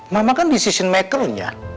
mama kan decision maker nya